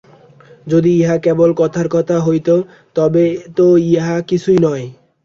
যদি উহা কেবল কথার কথা হইত, তবে তো উহা কিছুই নয়।